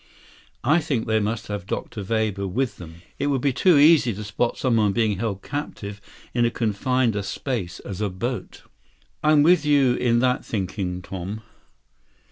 I think they must have Dr. Weber with them. It would be too easy to spot someone being held captive in as confined a space as a boat." "I'm with you in that thinking, Tom."